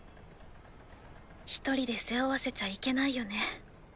一人で背負わせちゃいけないよね。